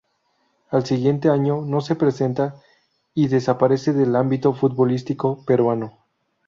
Al siguiente año, no se presenta y desaparece del ámbito futbolístico peruano.